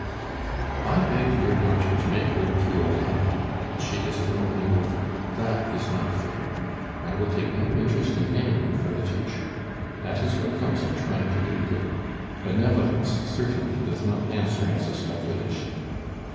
"I begged your daughter to make old Thoul happy, and she has thrown me over. That is not fair. I will take no interest in any one for the future! That is what comes of trying to do good! Benevolence certainly does not answer as a speculation!